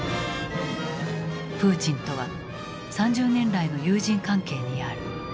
プーチンとは３０年来の友人関係にある。